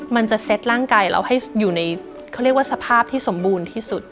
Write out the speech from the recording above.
มันจะเซ็ตร่างกายเราให้อยู่ในเขาเรียกว่าสภาพที่สมบูรณ์ที่สุด